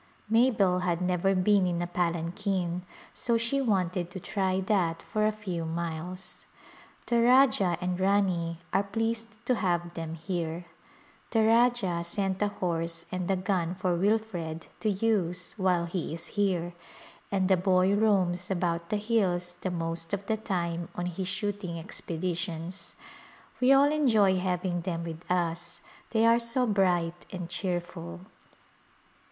Mabel had never been in a palanquin so she wanted to try that for a few miles. The Rajah and Rani are pleased to have them here \ the Rajah sent a horse and a gun for Wilfred to use while he is here, and the boy roams about the hills the most of the time on his shooting expeditions. We all enjoy having them with us ; they are so bright and cheerful.